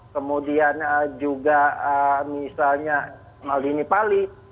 kemudian juga misalnya maldini pali